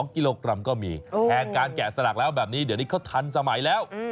๒กิโลกรัมก็มีแทนการแกะสลักแล้วแบบนี้เดี๋ยวนี้เขาทันสมัยแล้ว